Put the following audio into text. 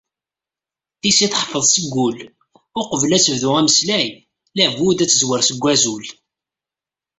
Tis i teḥfeḍ seg wul, uqbel ad tebdu ameslay, labud ad d-tezwar seg wazul.